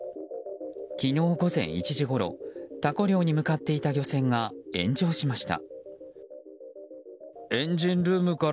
昨日午前１時ごろタコ漁に向かっていた漁船が炎上しました。